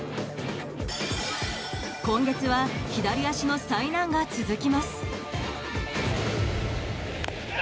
今月は、左足の災難が続きます。